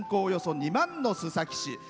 およそ２万の須崎市。